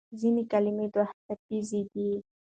ځینې کلمې دوهڅپیزې دي.